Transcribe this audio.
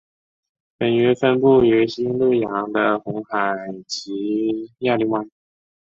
本鱼分布于西印度洋的红海及亚丁湾。